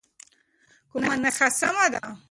کومه نښه سمه ده؟